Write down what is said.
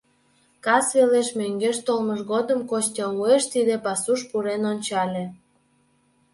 Кас велеш, мӧҥгеш толмыж годым, Костя уэш тиде пасуш пурен ончале.